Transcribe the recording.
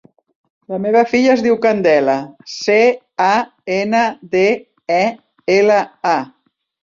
La meva filla es diu Candela: ce, a, ena, de, e, ela, a.